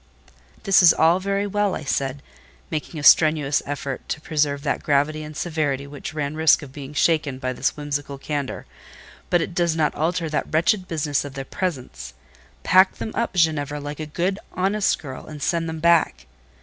"This is all very well," I said, making a strenuous effort to preserve that gravity and severity which ran risk of being shaken by this whimsical candour, "but it does not alter that wretched business of the presents. Pack them up, Ginevra, like a good, honest girl, and send them back."